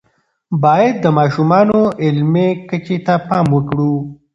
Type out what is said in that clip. باید د ماشومانو علمی کچې ته پام وکړو.